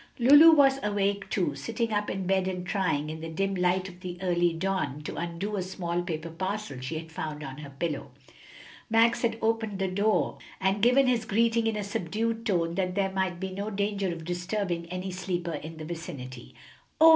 Lulu was awake, too, sitting up in bed and trying, in the dim light of the early dawn, to undo a small paper parcel she had found on her pillow. Max had opened the door and given his greeting in a subdued tone that there might be no danger of disturbing any sleeper in the vicinity. "Oh!"